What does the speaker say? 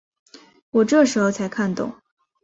我这时候才看懂